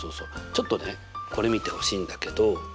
ちょっとねこれ見てほしいんだけど。